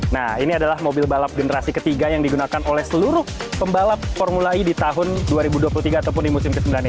nah ini adalah mobil balap generasi ketiga yang digunakan oleh seluruh pembalap formula e di tahun dua ribu dua puluh tiga ataupun di musim ke sembilan ini